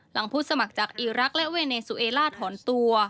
ผู้สมัครจากอีรักษ์และเวเนซูเอล่าถอนตัว